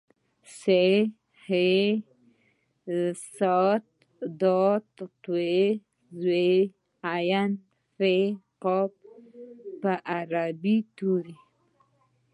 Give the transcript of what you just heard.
ث ح ذ ص ض ط ظ ع ف ق په د عربۍ توري